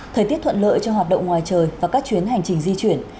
thời tiết thuận lợi cho hoạt động ngoài trời và các chuyến hành trình di chuyển